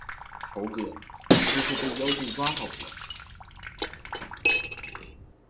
猴哥，师父被妖精抓走了